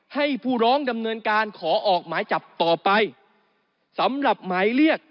ให้ผู้ร้องดำเนินการขอออกหมายจับต่อไปสำหรับหมายเรียก